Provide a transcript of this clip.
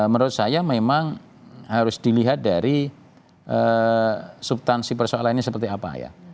menurut saya memang harus dilihat dari subtansi persoalan ini seperti apa